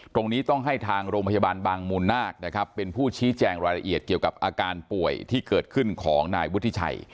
ตรงนี้ต้องให้ทางโรงพยาบาลบางมูลนาคนะครับเป็นผู้ชี้แจงรายละเอียดเกี่ยวกับอาการป่วยที่เกิดขึ้นของนายวุฒิชัย